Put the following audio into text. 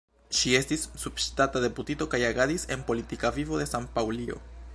Ŝi estis subŝtata deputito kaj agadis en politika vivo de San-Paŭlio.